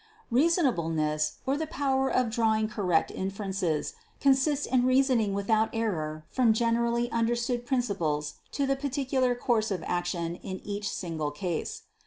Reason ableness, or the power of drawing correct inferences, consists in reasoning without error from generally un derstood principles to the particular course of action in each single case.